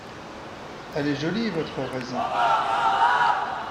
Elle est jolie votre raison !…